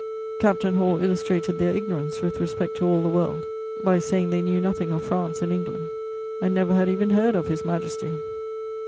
Captain Hall illustrated their ignorance with respect to all the world, by saying they knew nothing of France and England, and never had even heard of His Majesty.